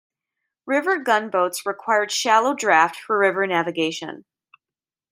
River gunboats required shallow draft for river navigation.